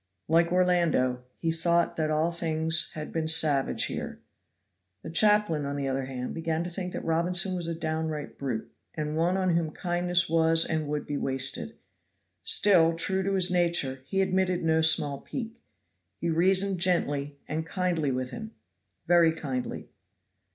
Like Orlando, He thought that all things had been savage here. The chaplain, on the other hand, began to think that Robinson was a downright brute, and one on whom kindness was and would be wasted. Still, true to his nature, he admitted no small pique. He reasoned gently and kindly with him very kindly.